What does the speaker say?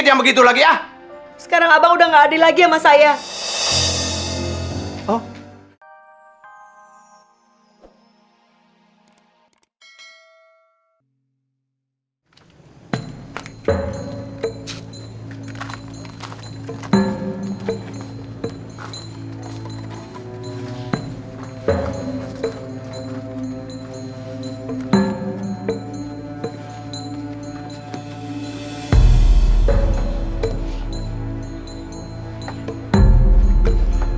sampai jumpa di video selanjutnya